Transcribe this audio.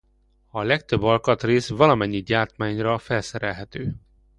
A legtöbb alkatrész valamennyi gyártmányra felszerelhető.